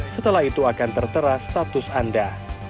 setelah itu akan tertera status anda